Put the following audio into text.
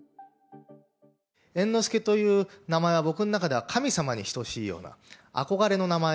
猿之助という名前は、僕の中では神様に等しいような、憧れの名前。